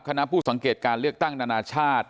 ผู้สังเกตการเลือกตั้งนานาชาติ